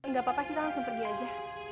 nggak apa apa kita langsung pergi aja